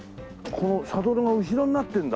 このサドルが後ろになってんだ。